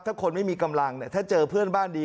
ถ้าคนไม่มีกำลังเนี่ยถ้าเจอเพื่อนบ้านดี